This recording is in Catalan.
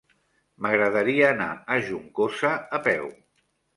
M'agradaria anar a Juncosa a peu.